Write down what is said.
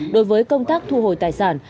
đối với công tác thu hồi tài sản